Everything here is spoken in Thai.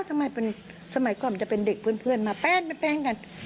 อ๋อทำไมเป็นสมัยก่อนมันจะเป็นเด็กเพื่อนเพื่อนมาแป๊นแป๊นแป๊งกัน